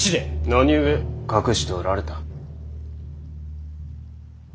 何故隠しておられた。